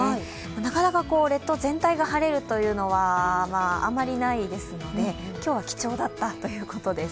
なかなか列島全体が晴れるというのはあんまりないですので今日は貴重だったということです。